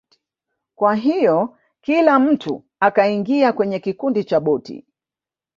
Kwa hiyo kila mtu akaingia kwenye kikundi cha boti